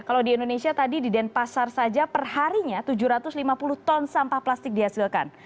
kalau di indonesia tadi di denpasar saja perharinya tujuh ratus lima puluh ton sampah plastik dihasilkan